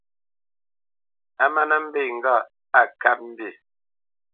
A má nə́ mbe ŋgâʼ á kát mbî.